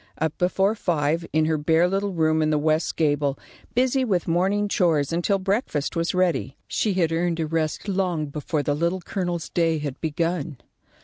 Up before five, in her bare little room in the west gable, busy with morning chores until breakfast was ready, she had earned a rest long before the Little Colonel's day had begun.